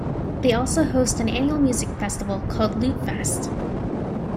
They also host an annual music festival called "Lutefest".